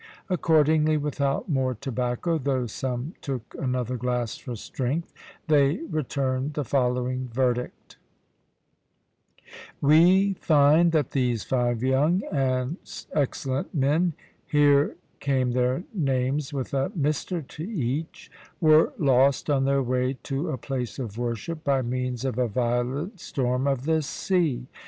Accordingly, without more tobacco, though some took another glass for strength, they returned the following verdict: "We find that these five young and excellent men" here came their names, with a Mister to each "were lost on their way to a place of worship, by means of a violent storm of the sea.